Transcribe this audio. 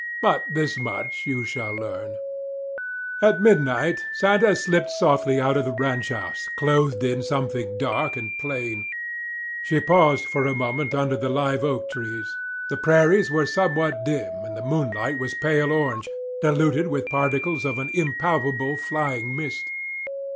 But this much you shall learn: At midnight Santa slipped softly out of the ranch house, clothed in something dark and plain. She paused for a moment under the live oak trees. The prairies were somewhat dim, and the moonlight was pale orange, diluted with particles of an impalpable, flying mist.